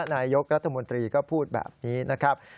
นายกรัฐมนตรีก็พูดแบบนี้นะครับ